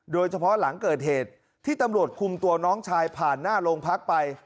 โดยเฉพาะหลังเกิดเหตุที่ตำรวจคุมตัวน้องชายผ่านหน้าโรงพักไป